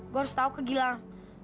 gue harus tau ke gilang